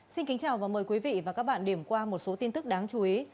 xin kính chào và mời quý vị và các bạn điểm qua một số tin tức đáng chú ý